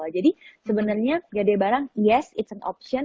jadi sebenarnya gadai barang yes it's an option